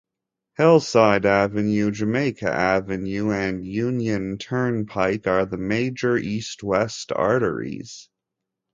Hillside Avenue, Jamaica Avenue, and Union Turnpike are the major east-west arteries.